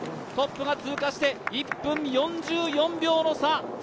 トップが通過して１分４４秒の差。